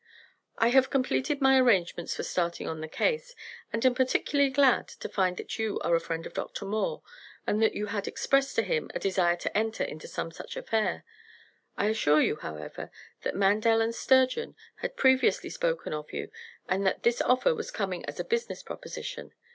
"I have completed my arrangements for starting on the case, and am particularly glad to find that you are a friend of Dr. Moore and that you had expressed to him a desire to enter into some such affair. I assure you, however, that Mandel & Sturgeon had previously spoken of you and that this offer was coming as a business proposition.